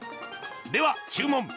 では、注文！